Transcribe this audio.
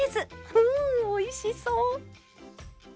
うんおいしそう！